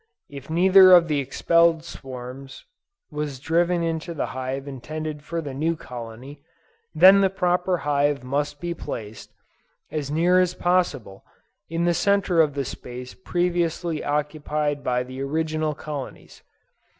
If neither of the expelled swarms was driven into the hive intended for the new colony, then the proper hive must be placed, as near as possible, in the center of the space previously occupied by the original colonies.